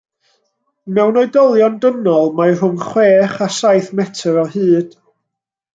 Mewn oedolion dynol mae rhwng chwech a saith metr o hyd.